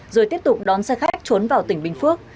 rồi tiếp tục đón xe khách trốn vào tỉnh bình phước